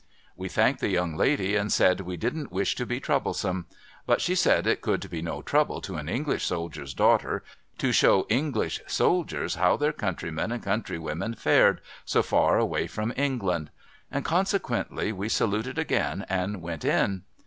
We thanked the young lady, and said we didn't wish to be troublesome; but, she said it could be no trouble to an English soldier's daughter, to show English soldiers how their countrymen and countrywomen fared, so far away from England; and conse quently we saluted again, and went in.